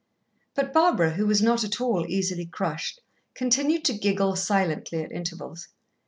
But Barbara, who was not at all easily crushed, continued to giggle silently at intervals.